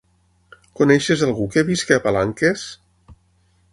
Coneixes algú que visqui a Palanques?